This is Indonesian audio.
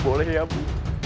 boleh ya bu